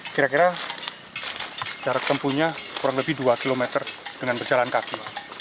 kira kira jarak tempuhnya kurang lebih dua km dengan berjalan kaki